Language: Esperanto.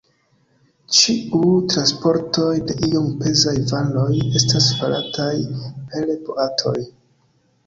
Ĉiuj transportoj de iom pezaj varoj estas farataj per boatoj.